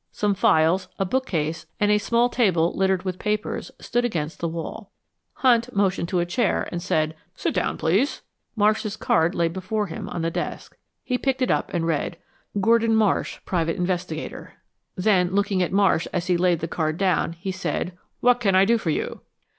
Some files, a bookcase, and a small table littered with papers, stood against the wall. Hunt motioned to a chair and said, "Sit down, please." Marsh's card lay before him on the desk. He picked it up and read: GORDON MARSH Private Investigator Then looking at Marsh as he laid the card down, he said, "what can I do for you?"